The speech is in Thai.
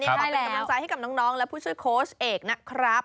ค่ะเป็นกำลังใจให้กับน้องและผู้ช่วยโค้ชเอกนะครับ